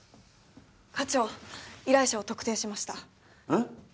課長依頼者を特定しましたえっ？